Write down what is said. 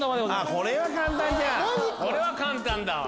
これは簡単だわ。